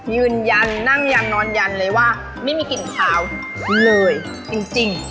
ยืนยันนั่งยันนอนยันเลยว่าไม่มีกลิ่นขาวเลยจริง